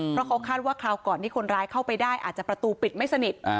เพราะเขาคาดว่าคราวก่อนที่คนร้ายเข้าไปได้อาจจะประตูปิดไม่สนิท